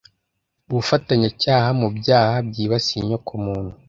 ubufatanyacyaha mu byaha byibasiye inyoko muntu